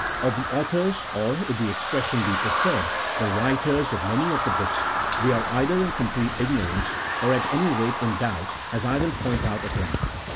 Of the authors, or (if the expression be preferred), the writers of many of the books, we are either in complete ignorance, or at any rate in doubt, as I will point out at length.